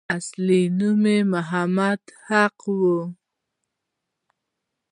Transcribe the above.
اصل نوم یې محمد حق وو.